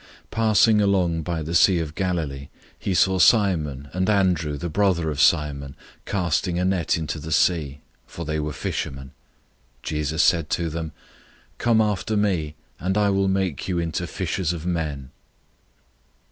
001:016 Passing along by the sea of Galilee, he saw Simon and Andrew the brother of Simon casting a net into the sea, for they were fishermen. 001:017 Jesus said to them, "Come after me, and I will make you into fishers for men."